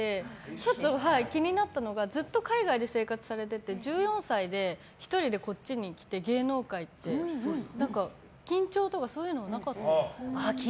ちょっと気になったのがずっと海外で生活されてて１４歳で１人でこっちに来て芸能界って何か、緊張とかそういうのはなかったんですか？